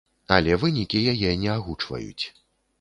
Але вынікі яе не агучваюць.